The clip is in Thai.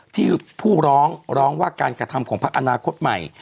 ที่ผู้ร้องร้องว่าการกระทำของพักอนาคตใหม่